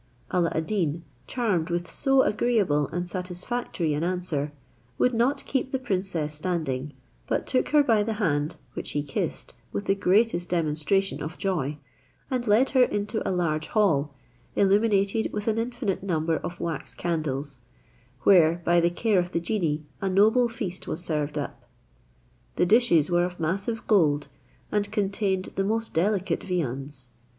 Alla ad Deen, charmed with so agreeable and satisfactory an answer, would not keep the princess standing; but took her by the hand, which he kissed with the greatest demonstration of joy, and led her into a large hall, illuminated with an infinite number of wax candles, where, by the care of the genie, a noble feast was served up. The dishes were of massive gold, and contained the most delicate viands.